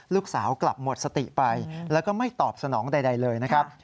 ลูกสาวกลับหมดสติไปแล้วก็ไม่ตอบสนองใดเลยนะครับ